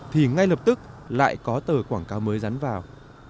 thì ngay lập tức lại có tờ quảng cáo mới rắn vào